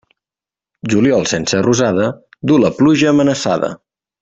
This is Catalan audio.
Juliol sense rosada, du la pluja amenaçada.